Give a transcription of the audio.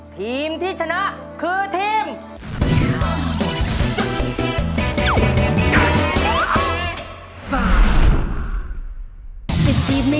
ทีมที่ชนะคือทีม